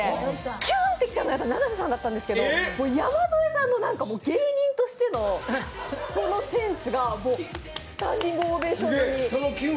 キューンってきたのはやっぱり永瀬さんですが山添さんの芸人としての、そのセンスがもうスタンディングオベーションに。